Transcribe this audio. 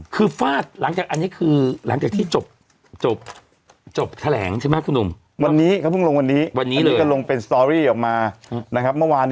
คือฟาดหลังจากที่จบแถลงใช่มั้ยคุณหมู